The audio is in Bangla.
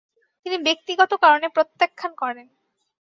তিনি ব্যক্তিগত কারণে প্রত্যাখান করেন।